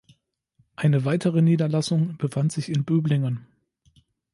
Eine weitere Niederlassung befand sich in Böblingen.